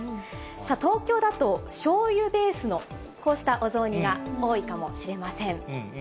さあ、東京だとしょうゆベースのこうしたお雑煮が多いかもしれません。